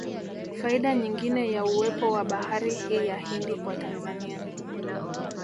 Faida nyingine ya uwepo wa bahari hii ya Hindi kwa Tanzania